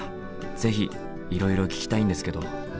ぜひいろいろ聞きたいんですけど。